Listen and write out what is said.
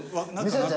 見せて！